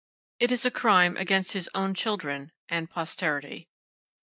It is a crime against his own children, and posterity.